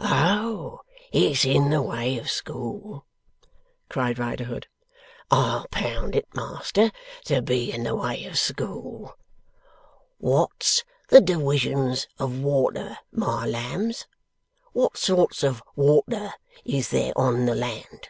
'Oh! It's in the way of school!' cried Riderhood. 'I'll pound it, Master, to be in the way of school. Wot's the diwisions of water, my lambs? Wot sorts of water is there on the land?